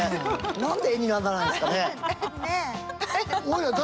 何で絵にならないんですかね。